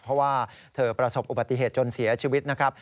เพราะว่าเธอประสบอุบัติเหตุจนเสียชีวิตนะครับ